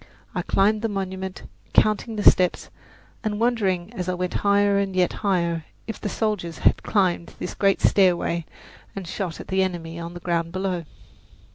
I climbed the monument, counting the steps, and wondering as I went higher and yet higher if the soldiers had climbed this great stairway and shot at the enemy on the ground below.